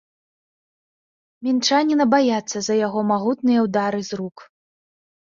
Мінчаніна баяцца за яго магутныя ўдары з рук.